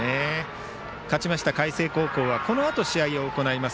勝ちました海星高校はこのあと試合を行います